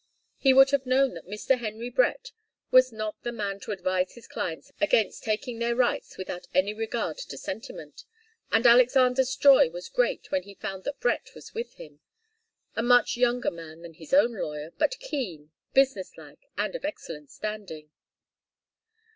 He would have known that Mr. Henry Brett was not the man to advise his clients against taking their rights without any regard to sentiment, and Alexander's joy was great when he found that Brett was with him a much younger man than his own lawyer, but keen, business like, and of excellent standing.